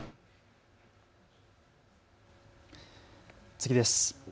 次です。